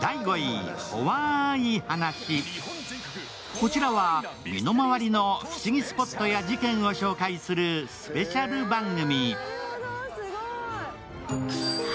こちらは身の回りの不思議スポットや事件を紹介するスペシャル番組。